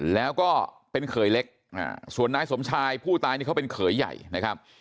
แล้วก็เป็นเขยเล็ก